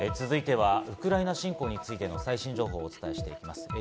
続いてはウクライナ侵攻についての最新情報をお伝えしていきます。